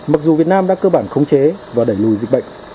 mặc dù việt nam đã cơ bản khống chế và đẩy lùi dịch bệnh